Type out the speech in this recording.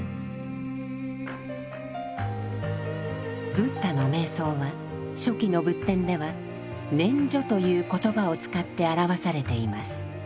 ブッダの瞑想は初期の仏典では「念処」という言葉を使って表されています。